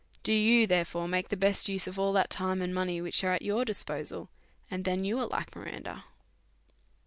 Do you, therefore, make the best use of all that time and money which is in your disposal, and then you are like Miranda.